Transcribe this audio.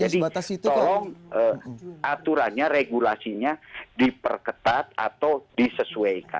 tolong aturannya regulasinya diperketat atau disesuaikan